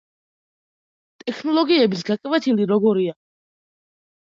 ტექნოლოგიების გაკვეთილი როგორია